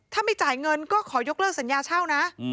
ถ้าไม่จ่ายเงินก็ขอยกเลิกสัญญาเช่านะ